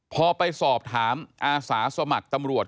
พอไปสอบถามอาสาสมัครตำรวจ